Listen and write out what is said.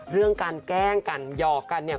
เรื่องการแกล้งกันหยอกกันเนี่ย